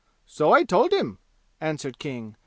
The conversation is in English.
"So I told him!" answered King.